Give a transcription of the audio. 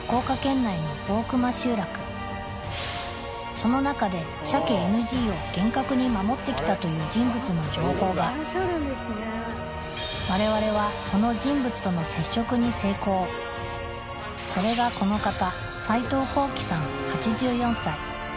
その中で鮭ＮＧを厳格に守ってきたという人物の情報がわれわれはその人物との接触に成功それがこの方齊藤弘毅さん８４歳